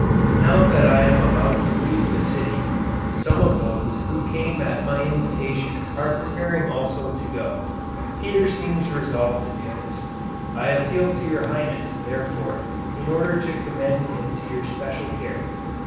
Now that I am about to leave the city, some of those who came at my invitation are preparing also to go. Peter seems resolved to do this. I appeal to your highness, therefore, in order to commend him to your special care.